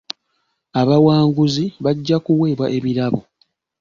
Abawanguzi bajja kuweebwa ebirabo.